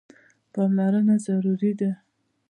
پاملرنه ضروري ده.